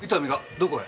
どこへ？